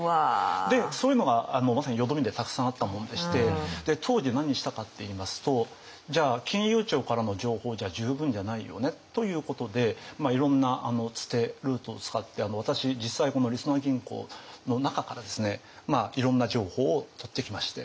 でそういうのがまさに淀みでたくさんあったもんでしてで当時何したかっていいますとじゃあ金融庁からの情報じゃ十分じゃないよねということでいろんなつてルートを使って私実際りそな銀行の中からですねいろんな情報を取ってきまして。